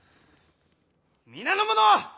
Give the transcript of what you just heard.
皆の者！